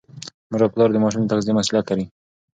مور او پلار د ماشوم د تغذیې مسؤلیت لري.